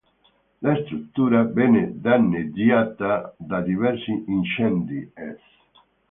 La struttura venne danneggiata da diversi incendi: es.